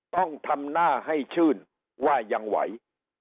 ต้องทำหน้าให้ชื่นว่ายังไหว